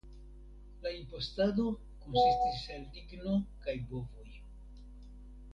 La impostado konsistis el ligno kaj bovoj.